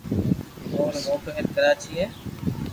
اورو موٽو ھير ڪراچي ھي